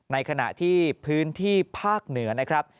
ในขณะที่พื้นที่ภาคเหนือนะครับ